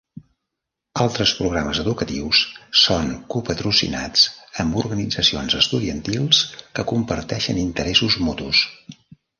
Altres programes educatius són co-patrocinats amb organitzacions estudiantils que comparteixen interessos mutus.